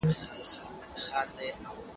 په وروسته پاته هېوادونو کي د پانګي دوران ورو وي.